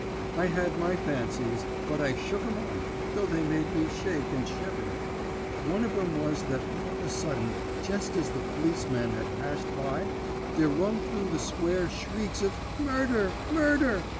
I had my fancies, but I shook 'em off, though they made me shake and shiver. One of 'em was that all of a sudden, jest as the policeman had passed by, there rung through the square shrieks of 'Murder! murder!'